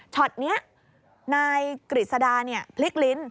ช็อตนี้นายกฤษดาพลิกลิ้น